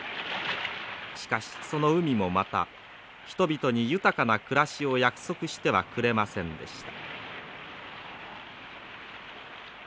しかしその海もまた人々に豊かな暮らしを約束してはくれませんでした。